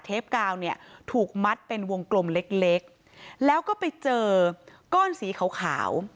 กาวเนี่ยถูกมัดเป็นวงกลมเล็กเล็กแล้วก็ไปเจอก้อนสีขาวขาว